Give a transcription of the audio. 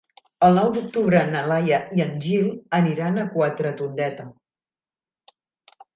El nou d'octubre na Laia i en Gil aniran a Quatretondeta.